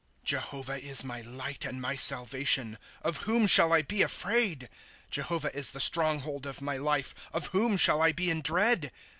^ Jehovah is my light and my salvation ; Of whom shall I be afraid ? Jehovah is the stronghold of my life ; Of whom shall I be in dread